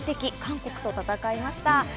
・韓国と戦いました。